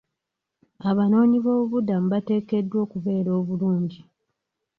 Abanoonyi b'obubuddamu bateekeddwa okubeera obulungi.